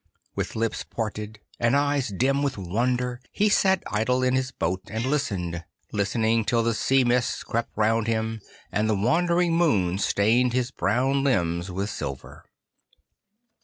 With lips parted, and eyes dim with wonder, he sat idle in his boat and listened, listening till the sea mists crept round him, and the wandering moon stained his brown limbs with silver.